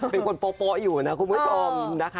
เป็นคนโป๊ะอยู่นะคุณผู้ชมนะคะ